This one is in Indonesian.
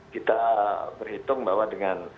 kita berhitung bahwa dengan